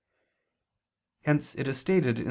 Hence it is stated (VII, qu.